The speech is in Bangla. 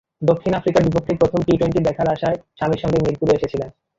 দক্ষিণ আফ্রিকার বিপক্ষে প্রথম টি-টোয়েন্টি দেখার আশায় স্বামীর সঙ্গে মিরপুরে এসেছিলেন।